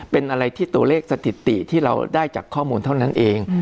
เป็นอะไรที่ตัวเลขสถิติที่เราได้จากข้อมูลเท่านั้นเอง